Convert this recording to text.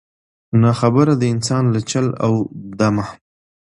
نا خبره د انسان له چل او دامه